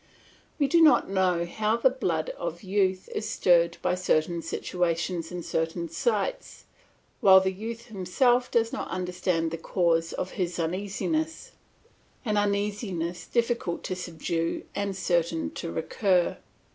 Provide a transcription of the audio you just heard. We do not know how the blood of youth is stirred by certain situations and certain sights, while the youth himself does not understand the cause of his uneasiness an uneasiness difficult to subdue and certain to recur.